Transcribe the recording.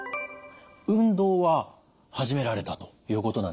運動は始められたということなんですよね。